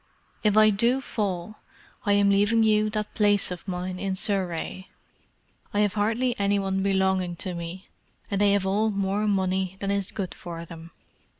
"If I do fall, I am leaving you that place of mine in Surrey. I have hardly any one belonging to me, and they have all more money than is good for them.